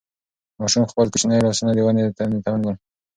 ماشوم خپل کوچني لاسونه د ونې تنې ته ونیول.